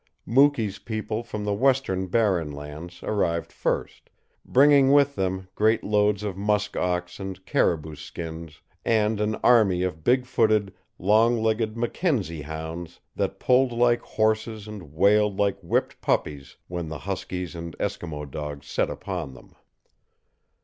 Mukee's people from the western Barren Lands arrived first, bringing with them great loads of musk ox and caribou skins, and an army of big footed, long legged Mackenzie hounds that pulled like horses and wailed like whipped puppies when the huskies and Eskimo dogs set upon them.